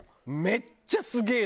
めっちゃすげえ。